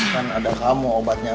kan ada kamu obatnya